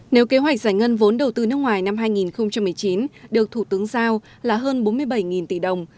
nếu kế hoạch giải ngân vốn đầu tư nước ngoài năm hai nghìn một mươi chín được thủ tướng giao là hơn bốn mươi bảy tỷ đồng